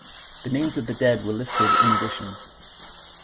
The names of the dead were listed in addition.